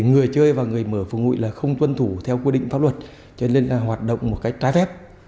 người chơi và người mở phường nguội là không tuân thủ theo quy định pháp luật cho nên hoạt động một cách trái phép